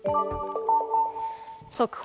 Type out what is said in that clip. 速報！